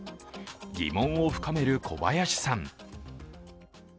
疑問を深める小林さん。